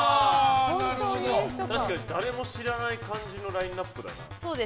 確かに、誰も知らない感じのラインアップだな。